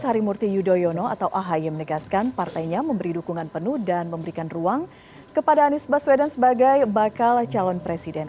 surya palo juga menegaskan partainya memberi dukungan penuh dan memberikan ruang kepada anies baswedan sebagai bakal calon presiden